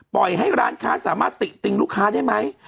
ปล่อยให้ร้านค้าสามารถติติงลูกค้าได้ไหม